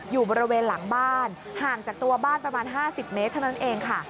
อยู่บริเวณหลังบ้านห่างจากตัวบ้านประมาณ๕๐เมตรเท่านั้นเองค่ะ